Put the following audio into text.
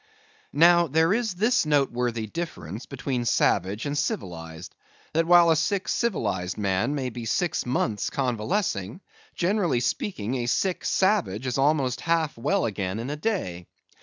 Now, there is this noteworthy difference between savage and civilized; that while a sick, civilized man may be six months convalescing, generally speaking, a sick savage is almost half well again in a day.